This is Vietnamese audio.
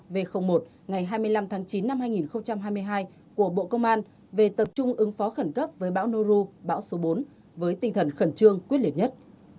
v một ngày hai mươi năm tháng chín năm hai nghìn hai mươi hai của bộ công an về tập trung ứng phó khẩn cấp với bão noru bão số bốn với tinh thần khẩn trương quyết liệt nhất